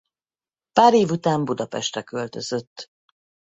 Pár év után Budapestre költözött.